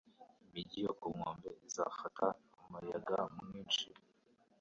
Imijyi yo ku nkombe izafata umuyaga mwinshi.